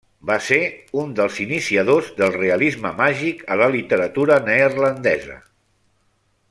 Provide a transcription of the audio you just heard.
Va ser uns dels iniciadors del realisme màgic a la literatura neerlandesa.